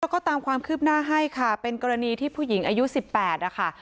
ก็ตามความคืบหน้าให้ค่ะเป็นกรณีที่ผู้หญิงอายุ๑๘นะคะ